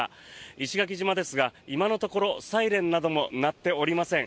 石垣島ですが、今のところサイレンなども鳴っておりません。